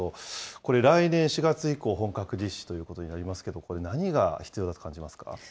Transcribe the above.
これ来年４月以降、本格実施ということになりますけれども、これ、何が必要だと感じますか。